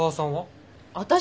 私？